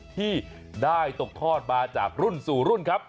ที่ได้ตกทอดมาจากรุ่นสู่รุ่นครับ